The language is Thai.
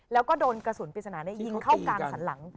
แล้วก็โดนกระสุนปริศนายิงเข้ากลางสันหลัง